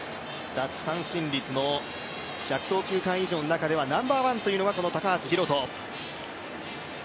奪三振率の、１００投球回以上ではナンバーワンというのがこの高橋宏斗。